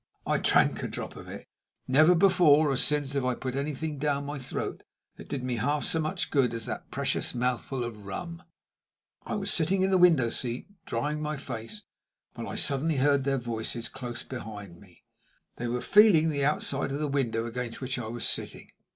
I drank a drop of it. Never before or since have I put anything down my throat that did me half so much good as that precious mouthful of rum! I was still sitting in the window seat drying my face, when I suddenly heard their voices close behind me. They were feeling the outside of the window against which I was sitting.